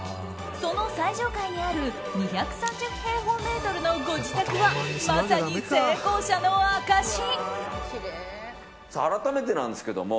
その最上階にある２３０平方メートルのご自宅はまさに成功者の証し。